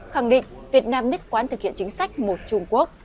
khẳng định việt nam nhất quán thực hiện chính sách một trung quốc